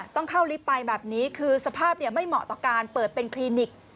ต้องเข้าลิฟต์ไปแบบนี้คือสภาพไม่เหมาะต่อการเปิดเป็นคลินิก